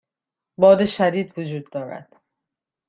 باد شدید وجود دارد.